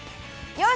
よし！